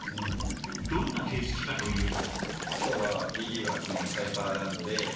［どんな形式かというと］